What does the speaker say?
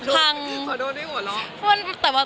พักถึงหมด